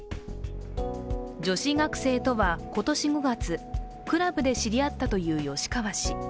女子学生とは今年５月、クラブで知り合ったという吉川氏。